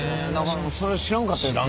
それは知らんかったですね。